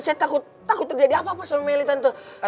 saya takut takut terjadi apa apa sama meli tante